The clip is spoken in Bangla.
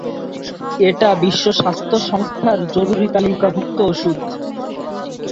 এটা বিশ্ব স্বাস্থ্য সংস্থার জরুরি তালিকাভুক্ত ওষুধ।